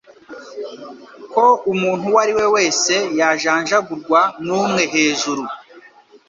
Ko umuntu uwo ari we wese yajanjagurwa n'umwe hejuru.